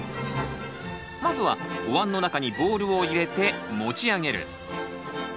まずはおわんの中にボールを入れて持ち上げる。